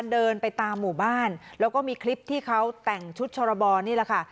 เดินไปตามหมู่บ้านแล้วก็มีคลิปที่เขาแต่งชุดชรบรนี่แหละค่ะ